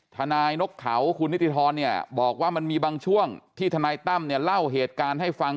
ทนนกเขาคุณนิติธรบอกว่ามันมีบางช่วงที่ทตเล่าเหตุการณ์ให้ฟัง